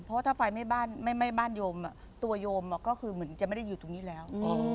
เพราะว่าถ้าไฟไม่บ้านโยมตัวโยมก็คือเหมือนจะไม่ได้อยู่ตรงนี้แล้ว